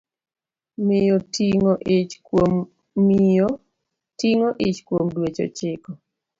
Miyo ting'o ich kuom dweche ochiko